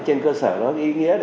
trên cơ sở đó ý nghĩa